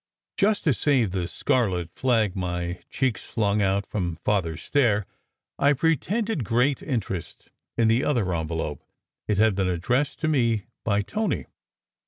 Just to save the scarlet flag my cheeks flung out from Father s stare, I pretended great interest in the other envelope. It had been addressed to me by Tony.